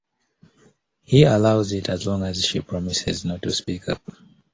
He allows it as long as she promises not to speak up.